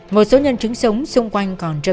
một số nhân chứng sống xung quanh còn trâm trọng